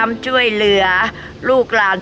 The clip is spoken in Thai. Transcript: ประมาณ๗๐๘๐ปีได้แล้วบ้านหลังนี้